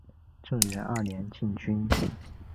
正元二年进军。